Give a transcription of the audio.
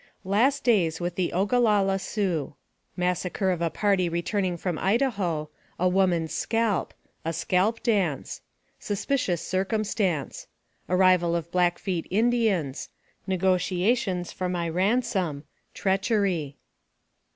LAST DAYS WITH THE OGALALLA SIOUX MASSACRE OP A PARTY RE TURNING FROM IDAHO A WOMAN'S SCALP A SCALP DANCE SUS PICIOUS CIRCUMSTANCE ARRIVAL OF BLACKFEET INDIANS NE GOTIATIONS FOR MY RANSOM TREACHERY.